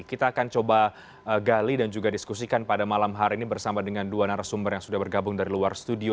kita akan coba gali dan juga diskusikan pada malam hari ini bersama dengan dua narasumber yang sudah bergabung dari luar studio